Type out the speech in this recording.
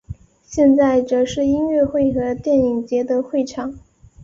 现在则是音乐会和电影节的会场。